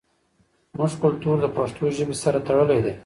زموږ کلتور د پښتو ژبې سره تړلی دی.